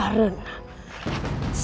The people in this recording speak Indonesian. sampai jumpa lagi